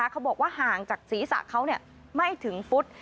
เขาบอกว่าห่างจากศีรษะเขาไม่ถึงฟุต